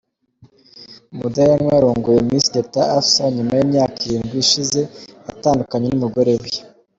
Mudaheranwa arongoye Miss Teta Afsa nyuma y’imyaka irindwi ishize atandukanye n’umugore we.